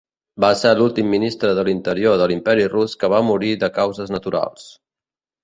Va ser l'últim Ministre de l'Interior de l’Imperi rus que va morir de causes naturals.